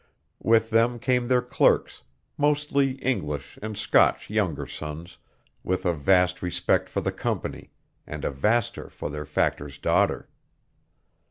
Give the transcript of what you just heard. With them came their clerks, mostly English and Scotch younger sons, with a vast respect for the Company, and a vaster for their Factor's daughter.